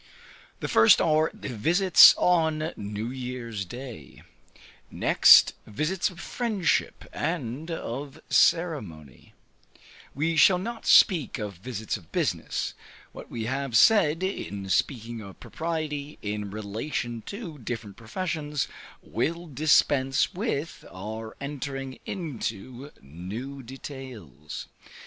The first are the visits on new year's day; next, visits of friendship and of ceremony: we shall not speak of visits of business; what we have said in speaking of propriety in relation to different professions, will dispense with our entering into new details.